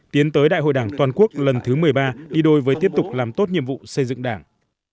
tiến tới đại hội đảng toàn quốc lần thứ một mươi ba đi đôi với tiếp tục làm tốt nhiệm vụ xây dựng đảng